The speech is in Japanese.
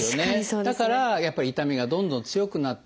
だからやっぱり痛みがどんどん強くなっていく。